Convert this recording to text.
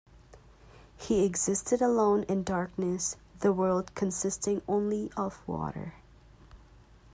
He existed alone in darkness, the world consisting only of water.